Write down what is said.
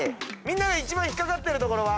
一番引っ掛かってるところは？